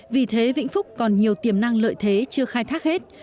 vì thế vĩnh phúc còn nhiều tiềm năng lợi thế chưa khai thác hết